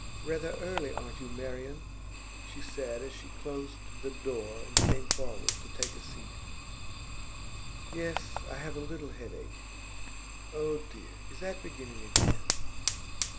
'Rather early, aren't you, Marian?' she said, as she closed the door and came forward to take a seat. 'Yes; I have a little headache.' 'Oh, dear! Is that beginning again?